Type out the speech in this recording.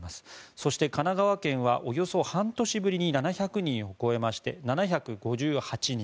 そして、神奈川県はおよそ半年ぶりに７００人を超えまして７５８人。